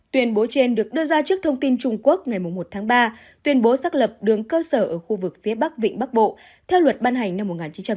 tuyên bố trên được đưa ra trước thông tin trung quốc ngày một tháng ba tuyên bố xác lập đường cơ sở ở khu vực phía bắc vịnh bắc bộ theo luật ban hành năm một nghìn chín trăm bảy mươi